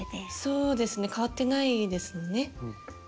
そうですね変わってないですね。